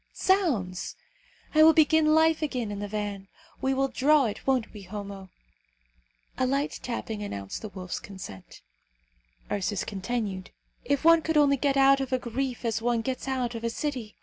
Zounds! I will begin life again in the van. We will draw it, won't we, Homo?" A light tapping announced the wolf's consent. Ursus continued, "If one could only get out of a grief as one gets out of a city!